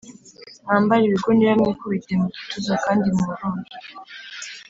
mwambare ibigunira mwikubite mu gituza kandi muboroge